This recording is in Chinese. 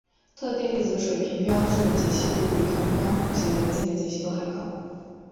特定粒子的水平座标解析度比同等光学显微镜的解析度还要高。